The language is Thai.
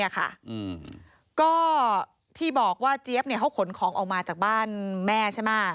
ก็ที่บอกว่าเจี๊ยบเขาขนของออกมาจากบ้านแม่ใช่ไหม